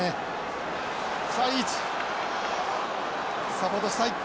サポートしたい。